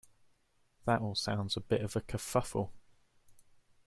That all sounds a bit of a kerfuffle.